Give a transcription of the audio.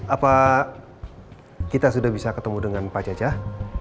apa kita sudah bisa ketemu dengan pak jajah